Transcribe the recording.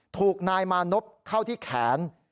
ถูกนายมานพเข้าที่แขน